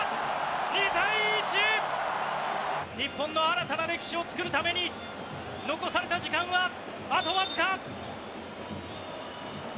２対１！日本の新たな歴史を作るために残された時間はあとわずか。